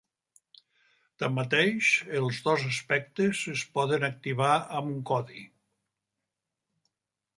Tanmateix, els dos aspectes es poden activar amb un codi.